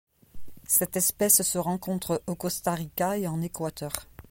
Cette espèce se rencontre au Costa Rica et en Équateur.